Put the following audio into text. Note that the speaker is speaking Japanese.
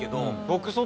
僕。